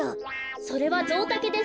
それはゾウタケです。